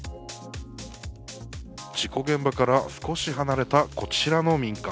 事故現場から少し離れたこちらの民家。